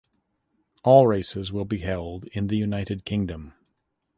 All races will be held in the United Kingdom.